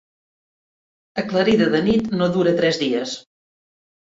Aclarida de nit no dura tres dies.